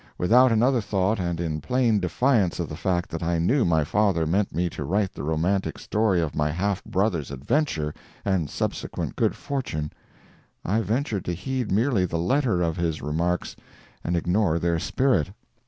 Without another thought, and in plain defiance of the fact that I knew my father meant me to write the romantic story of my half brother's adventure and subsequent good fortune, I ventured to heed merely the letter of his remarks and ignore their spirit.